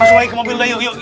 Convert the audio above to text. mas uwai ke mobil dah yuk